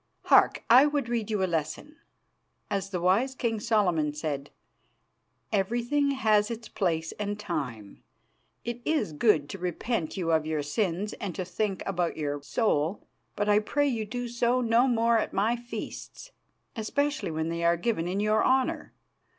Hark! I would read you a lesson. As the wise King Solomon said, 'Everything has its place and time.' It is good to repent you of your sins and to think about your soul, but I pray you do so no more at my feasts, especially when they are given in your honour.